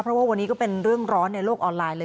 เพราะว่าวันนี้ก็เป็นเรื่องร้อนในโลกออนไลน์เลย